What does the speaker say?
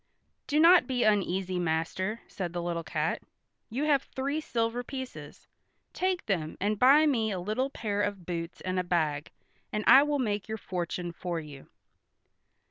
"Do not be uneasy, master," said the little cat. "You have three silver pieces. Take them and buy me a little pair of boots and a bag, and I will make your fortune for you."